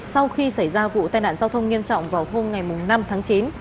sau khi xảy ra vụ tai nạn giao thông nghiêm trọng vào hôm năm tháng chín